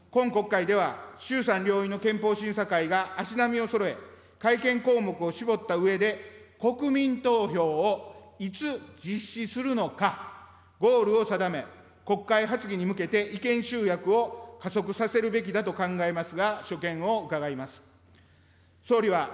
今国会では、衆参両院の憲法審査会が足並みをそろえ、改憲項目を絞ったうえで、国民投票をいつ実施するのか、ゴールを定め、国会発議に向けて意見集約を加速させるべきだと考えますが、所見を伺います。